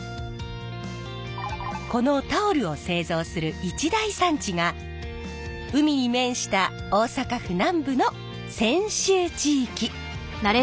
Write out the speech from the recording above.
このタオルを製造する一大産地が海に面した大阪府南部の泉州地域。